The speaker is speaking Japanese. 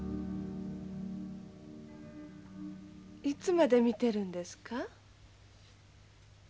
いつまで見てるんですか？